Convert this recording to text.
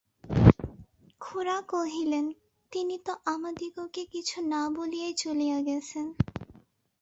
খুড়া কহিলেন, তিনি তো আমাদিগকে কিছু না বলিয়াই চলিয়া গেছেন।